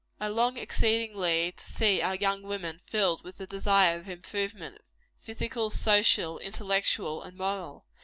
I long exceedingly to see our young women filled with the desire of improvement physical, social, intellectual and moral.